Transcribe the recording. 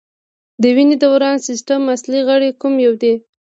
د وینې دوران سیستم اصلي غړی کوم یو دی